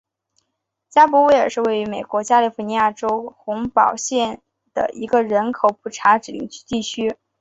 加伯维尔是位于美国加利福尼亚州洪堡县的一个人口普查指定地区。